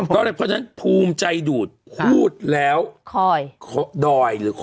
เพราะฉะนั้นภูมิใจดูดพูดแล้วคอยดอยหรือคอ